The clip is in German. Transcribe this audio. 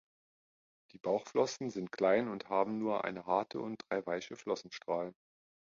Die Bauchflossen sind klein und haben nur eine harte und drei weiche Flossenstrahlen.